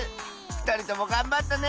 ふたりともがんばったね！